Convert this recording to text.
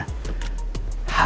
harus selalu berurusan pangeran